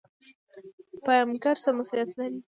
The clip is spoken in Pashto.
پیمانکار څه مسوولیت لري؟